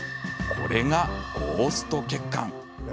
これがゴースト血管。